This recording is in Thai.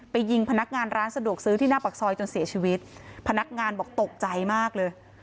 ยิงพนักงานร้านสะดวกซื้อที่หน้าปากซอยจนเสียชีวิตพนักงานบอกตกใจมากเลย